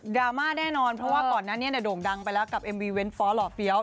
ดราม่าแน่นอนเพราะว่าก่อนนั้นเนี่ยเนี่ยโด่งดังไปแล้วกับเอ็มวีเว้นฟอร์หลอดเตี๋ยว